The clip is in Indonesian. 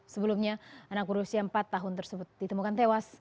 sebelumnya anak urus yang empat tahun tersebut ditemukan tewas